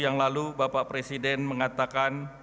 yang lalu bapak presiden mengatakan